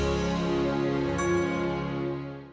ya udah dut